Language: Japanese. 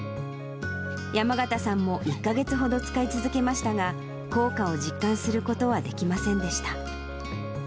山形さんも１か月ほど使い続けましたが、効果を実感することはできませんでした。